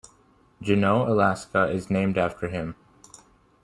Juneau, Alaska is named after him.